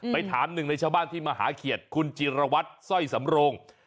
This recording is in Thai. ไปถามหนึ่งในชาวบ้านที่มาหาเขียดคุณจิรวัตรสร้อยสำโรง